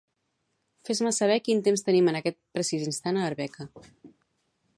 Fes-me saber quin temps tenim en aquest precís instant a Arbeca.